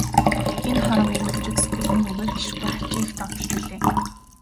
Энэ хором, энэ мөчид сэтгэл минь үгээр хэлшгүй хачин их догдолж билээ.